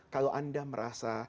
kalau anda merasa